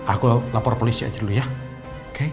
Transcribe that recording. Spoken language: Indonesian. aku lapor polisi saja dulu ya oke